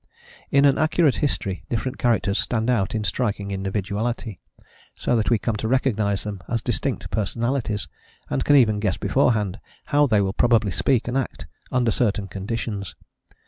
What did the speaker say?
In an accurate history different characters stand out in striking individuality, so that we come to recognise them as distinct personalities, and can even guess beforehand how they will probably speak and act under certain conditions.